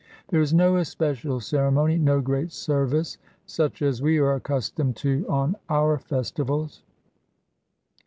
There is no especial ceremony, no great service, such as we are accustomed to on our festivals.